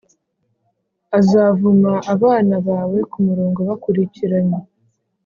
“azavuma abana bawe, kumurongo bakurikiranye